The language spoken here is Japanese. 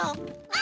あ！